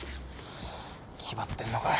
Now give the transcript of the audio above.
気張ってんのか。